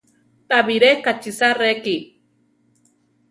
Tabiré kachisa reki.